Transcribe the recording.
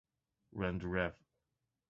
When the Rev.